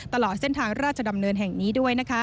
ตลอดเส้นทางราชดำเนินแห่งนี้ด้วย